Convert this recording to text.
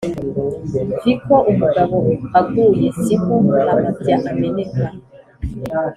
viko umugabo aguye si ko amabya ameneka